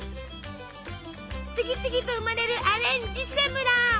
次々と生まれるアレンジセムラ！